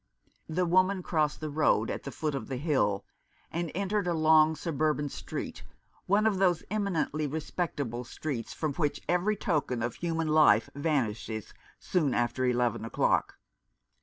The woman crossed the road at the foot of the Hill, and entered a long suburban street, one of those eminently respectable streets from which every token of human life vanishes soon after eleven o'clock.